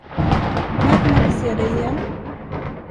När kan man få se dig igen?